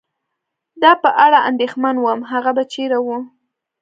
د په اړه اندېښمن ووم، هغه به چېرې و؟